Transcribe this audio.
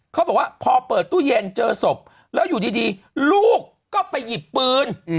เขาบอกว่าพอเปิดตู้เย็นเจอศพแล้วอยู่ดีลูกก็ไปหยิบปืน